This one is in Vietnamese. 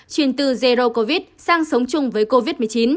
chuyển từ zero covid sang sống chung với covid một mươi chín